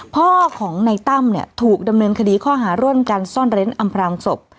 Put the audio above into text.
พ่อของในตั้มเนี่ยถูกดำเนินคดีข้อหาร่วมกันซ่อนเร้นอำพรางศพ